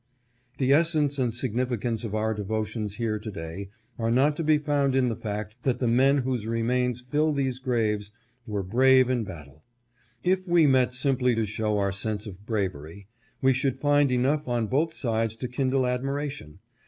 " The essence and significance of our devotions here to day are not to be found in the fact that the men whose remains fill these graves w ^re brave in battle. If we met simply to show our sense of bravery, we should find enough on both sides to kindle admiration.